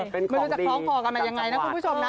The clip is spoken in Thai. ไม่รู้จะคล้องคอกันมายังไงนะคุณผู้ชมนะ